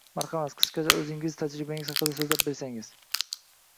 Marhamat, qisqacha oʻzingiz, tajribangiz haqida so'zlab bersangiz.